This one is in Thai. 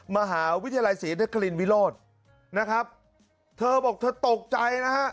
มหาวิทยาลัยศรีนครินวิโรธนะครับเธอบอกเธอตกใจนะฮะ